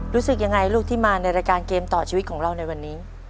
รู้สึกยังไงลูกที่มาในรายการเกมต่อชีวิตของเราในวันนี้